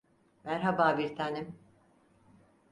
Merhaba bir tanem.